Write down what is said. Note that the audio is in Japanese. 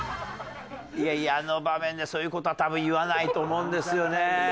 いやいやあの場面でそういう事は多分言わないと思うんですよね。